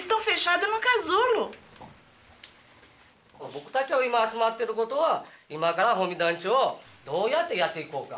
僕たちが今集まってることは今から保見団地をどうやってやっていこうか。